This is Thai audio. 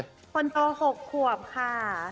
คนตัวหกขวบค่ะ